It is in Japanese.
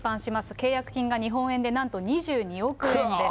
契約金が日本円で約２２億円です。